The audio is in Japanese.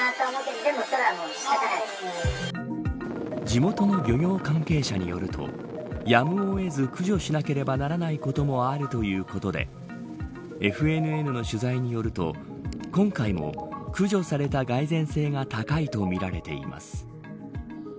地元の漁業関係者によるとやむを得ず駆除しなければならないこともあるということでＦＮＮの取材によると今回も駆除された蓋然性が高いとみられています。